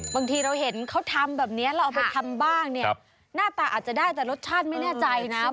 บางทีเราเห็นเขาทำแบบนี้เราเอาไปทำบ้างเนี่ยหน้าตาอาจจะได้แต่รสชาติไม่แน่ใจนะ